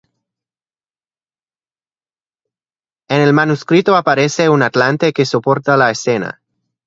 En el manuscrito aparece un atlante que soporta la escena.